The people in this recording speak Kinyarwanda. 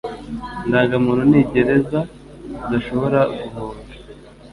Indangamuntu ni gereza udashobora guhunga,